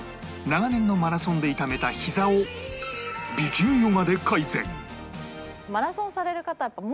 長年のマラソンで痛めた膝を美筋ヨガで改善